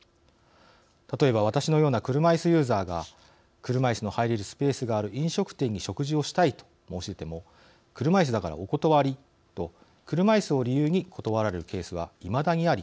例えば私のような車いすユーザーが車いすの入れるスペースがある飲食店で食事をしたいと申し出ても車いすだからお断りと車いすを理由に断られるケースは、いまだにあり